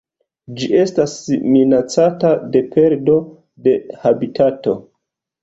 Ĝi estas minacata de perdo de habitato.